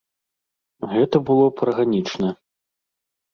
Гэта было б арганічна.